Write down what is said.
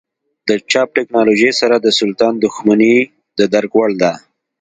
د چاپ ټکنالوژۍ سره د سلطان دښمني د درک وړ ده.